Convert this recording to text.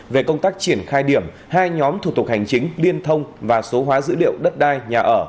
về công tác triển khai điểm hai nhóm thủ tục hành chính liên thông và số hóa dữ liệu đất đai nhà ở